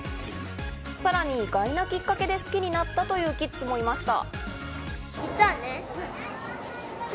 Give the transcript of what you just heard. さらに、意外なきっかけで好きになったというキッズもいました。